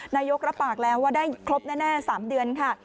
นายกรับปากแล้วว่าได้ครบแน่๓เดือนค่ะ